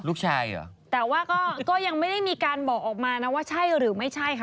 เหรอแต่ว่าก็ก็ยังไม่ได้มีการบอกออกมานะว่าใช่หรือไม่ใช่ค่ะ